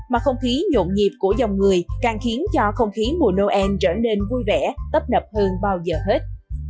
mà không khí nhộn nhịp của dòng người càng khiến cho không khí mùa noel trở nên vui vẻ tấp nập hơn bao giờ hết